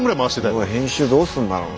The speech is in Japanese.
これ編集どうするんだろうな。